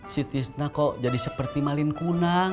si tisna kok jadi seperti malin kunang